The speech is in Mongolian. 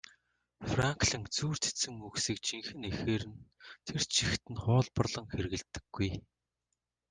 Франклин зүйр цэцэн үгсийг жинхэнэ эхээр нь тэр чигт нь хуулбарлан хэрэглэдэггүй.